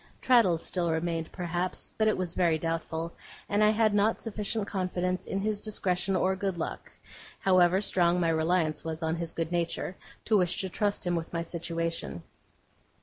Traddles still remained, perhaps, but it was very doubtful; and I had not sufficient confidence in his discretion or good luck, however strong my reliance was on his good nature, to wish to trust him with my situation.